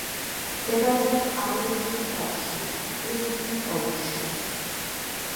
მდებარეობს აიოვის შტატში, პლიმუთის ოლქში.